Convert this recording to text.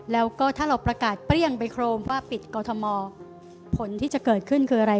แล้วก็ถ้าเราประกาศเปรี้ยงไปโครมว่าปิดกอทมผลที่จะเกิดขึ้นคืออะไร